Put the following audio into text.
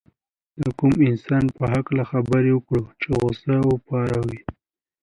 د کوم انسان په هکله خبره وکړو چې غوسه وپاروي.